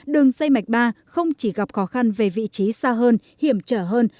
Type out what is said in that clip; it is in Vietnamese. đường dây mạch ba không chỉ gặp khó khăn về vị trí xa hơn hiểm trở hơn